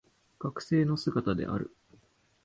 学生の姿である